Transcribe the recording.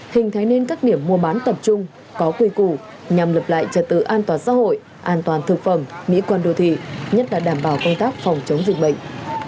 hình thành nên các điểm mua bán tập trung có quy củ nhằm lập lại trật tự an toàn xã hội an toàn thực phẩm mỹ quan đô thị nhất là đảm bảo công tác phòng chống dịch bệnh